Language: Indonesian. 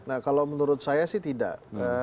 nah kalau menurut saya sih tidak